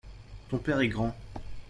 ton père est grand.